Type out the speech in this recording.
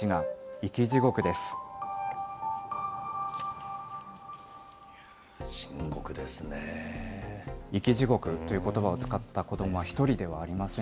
生き地獄ということばを使った子どもは１人ではありません。